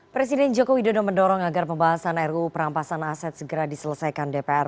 presiden joko widodo mendorong agar pembahasan ruu perampasan aset segera diselesaikan dpr